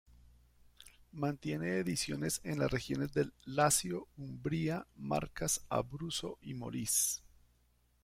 Mantiene ediciones en las regiones del Lacio, Umbría, Marcas, Abruzzo y Molise.